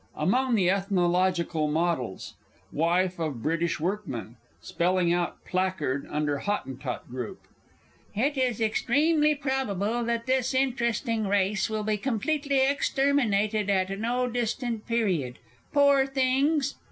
_ AMONG THE ETHNOLOGICAL MODELS. WIFE OF BRITISH WORKMAN (spelling out placard under Hottentot Group). "It is extremely probable that this interesting race will be completely exterminated at no very distant period." Pore things!